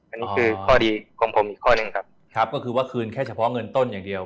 อันนี้คือข้อดีของผมอีกข้อหนึ่งครับครับก็คือว่าคืนแค่เฉพาะเงินต้นอย่างเดียว